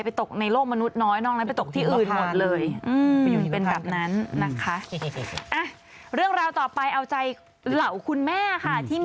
ตกในโลกมนุษย์น้อยนอกนั้นไปตกที่อื่นหมดเลย